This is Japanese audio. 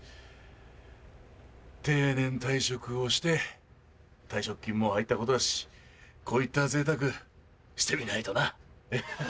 定年退職をして退職金も入ったことだしこういった贅沢してみないとなハハハ！